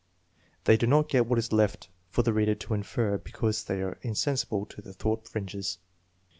They do not get what is left for the reader to infer, because they are insensible to the thought fringes.